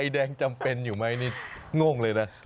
แดงจำเป็นอยู่ไหมนี่ง่วงเลยนะ